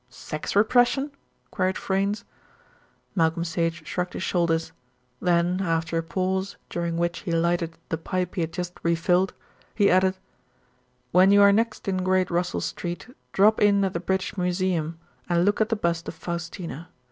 "Sex repression?" queried Freynes. Malcolm Sage shrugged his shoulders; then after a pause, during which he lighted the pipe he had just re filled, he added: "When you are next in Great Russell Street, drop in at the British Museum and look at the bust of Faustina.